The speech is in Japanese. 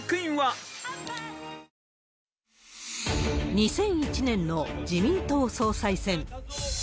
２００１年の自民党総裁選。